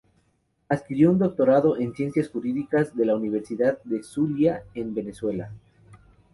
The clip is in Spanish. Adquirió un Doctorado en Ciencias Jurídicas de la Universidad del Zulia en Venezuela.